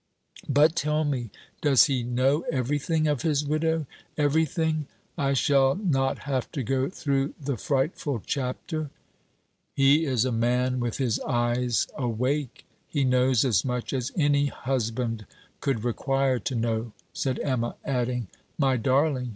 But, tell me, does he know everything of his widow everything? I shall not have to go through the frightful chapter?' 'He is a man with his eyes awake; he knows as much as any husband could require to know,' said Emma; adding: 'My darling!